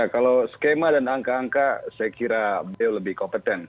kalau skema dan angka angka saya kira beliau lebih kompeten